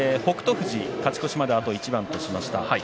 富士、勝ち越しまであと一番としました。